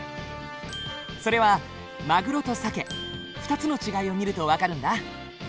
それはマグロとサケ２つの違いを見ると分かるんだ。